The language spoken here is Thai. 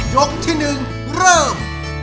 ยกที่หนึ่งเริ่ม